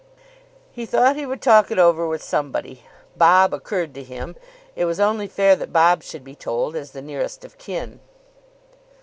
He thought he would talk it over with somebody. Bob occurred to him. It was only fair that Bob should be told, as the nearest of kin.